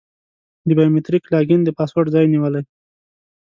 د بایو میتریک لاګین د پاسورډ ځای نیولی.